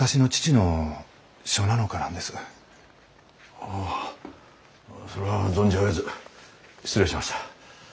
ああそれは存じ上げず失礼しました。